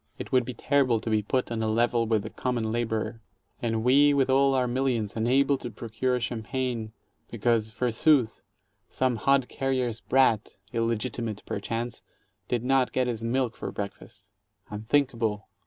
It would be terrible to be put on a level with the com mon laborer, and we with all our millions unable to procure cham pagne, because, forsooth, some hod carrier's brat — illegitimate, per chance — did not get his milk for breakfast. Unthinkable!